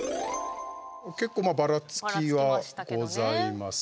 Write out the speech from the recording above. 結構ばらつきはございます。